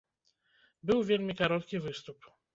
Быў вельмі кароткі выступ.